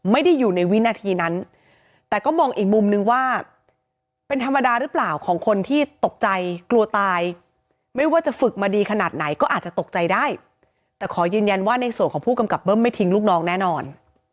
ไม่ว่าจะฝึกมาดีขนาดไหนก็อาจจะตกใจได้แต่ขอยืนยันว่าในส่วนของผู้กำกับเบิ้มไม่ทิ้งลูกน้องแน่นอน